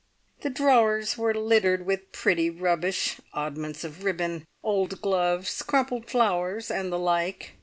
The drawers were littered with pretty rubbish oddments of ribbon, old gloves, crumpled flowers, and the like.